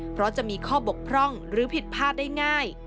เพราะจะมีข้อบกพร่องหรือผิดพลาดได้ง่าย